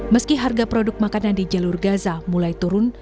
meski harga produk makanan di jalur gaza mulai turun